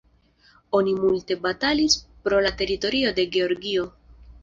Oni multe batalis pro la teritorio de Georgio.